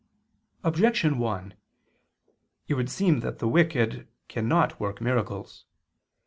Objection 1: It would seem that the wicked cannot work miracles.